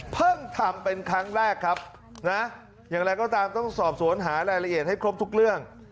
ทำเป็นครั้งแรกครับนะอย่างไรก็ตามต้องสอบสวนหารายละเอียดให้ครบทุกเรื่อง